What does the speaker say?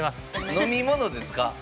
飲み物ですか？